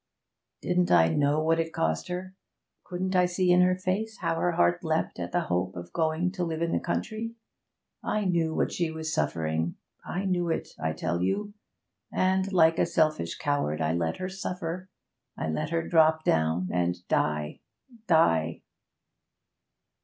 'Didn't I know what it cost her? Couldn't I see in her face how her heart leapt at the hope of going to live in the country! I knew what she was suffering; I knew it, I tell you! And, like a selfish coward, I let her suffer I let her drop down and die die!'